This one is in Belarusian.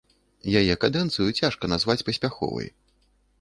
Яе кадэнцыю цяжка назваць паспяховай.